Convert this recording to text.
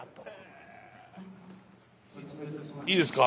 いいですか？